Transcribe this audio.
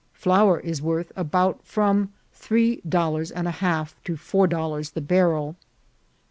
Flour is worth about from three dol lars and a half to four dollars the barrel.